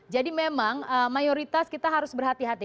jadi memang mayoritas kita harus berhati hati